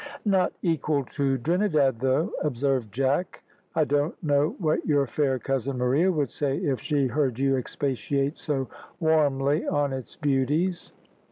"Not equal to Trinidad, though," observed Jack. "I don't know what your fair cousin Maria would say if she heard you expatiate so warmly on its beauties."